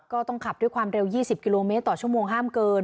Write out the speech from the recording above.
ก็ต้องขับด้วยความเร็ว๒๐กิโลเมตรต่อชั่วโมงห้ามเกิน